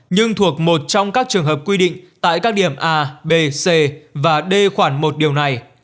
nhưng thuộc một trong các trường hợp quy định tại các điểm a b c và d khoản một điều này